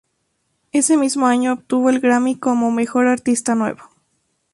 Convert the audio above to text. Ese mismo año obtuvo el Grammy como "Mejor Artista Nuevo".